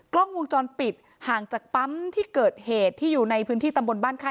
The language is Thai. กล้องวงจรปิดห่างจากปั๊มที่เกิดเหตุที่อยู่ในพื้นที่ตำบลบ้านค่าย